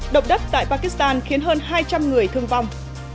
động đất tại pakistan khiến hơn hai trăm linh người thương vong